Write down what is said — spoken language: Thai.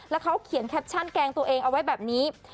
แล้วเขาเขียนแคปชั่นแกล้งตัวเองเอาไว้แบบนี้